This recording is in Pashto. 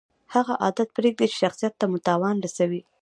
هغه عادت پرېږدئ، چي شخصت ته مو تاوان رسوي.